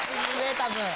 多分。